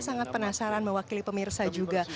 sangat penasaran mewakili pemirsa juga